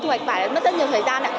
thu hoạch vải mất rất nhiều thời gian